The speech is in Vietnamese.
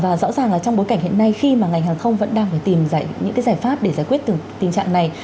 và rõ ràng là trong bối cảnh hiện nay khi mà ngành hàng không vẫn đang phải tìm những cái giải pháp để giải quyết từ tình trạng này